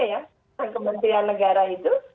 tentang kementerian negara itu